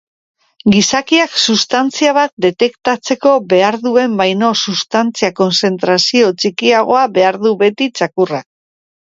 Gizakiak substantzia bat detektatzeko behar duen baino substantzia-kontzentrazio txikiagoa behar du beti txakurrak.